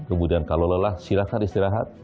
kemudian kalau lelah silahkan istirahat